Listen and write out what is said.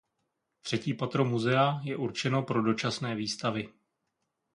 Třetí patro muzea je určeno pro dočasné výstavy.